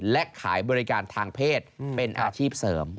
และขายบริการทางเพศเป็นอาชีพเสริม